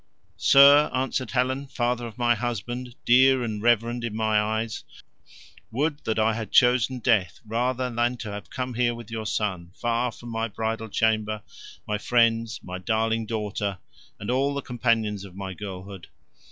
"Sir," answered Helen, "father of my husband, dear and reverend in my eyes, would that I had chosen death rather than to have come here with your son, far from my bridal chamber, my friends, my darling daughter, and all the companions of my girlhood.